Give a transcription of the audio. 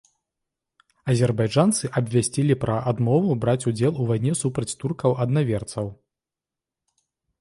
Азербайджанцы абвясцілі пра адмову браць удзел у вайне супраць туркаў-аднаверцаў.